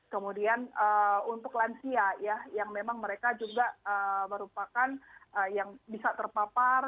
kemudian untuk lansia ya yang memang mereka juga merupakan yang bisa terpapar